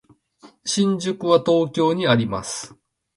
新宿は東京にあります。